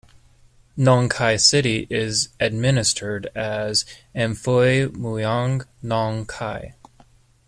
Nong Khai city is administered as Amphoe Mueang Nong Khai.